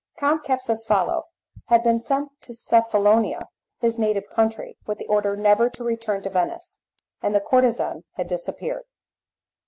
Count Capsucefalo had been sent to Cephalonia, his native country, with the order never to return to Venice, and the courtezan had disappeared.